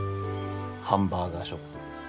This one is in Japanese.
ハンバーガーショップ。